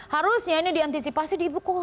harusnya ini diantisipasi di ibu kota loh